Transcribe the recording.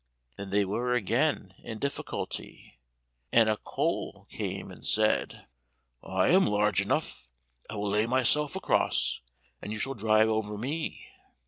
Then they were again in difficulty, and a coal came and said, "I am large enough, I will lay myself across and you shall drive over me."